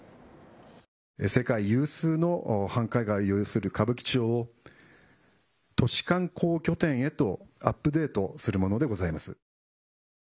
世界有数の繁華街を有する歌舞伎町を都市観光拠点へとアップデートするものでございます。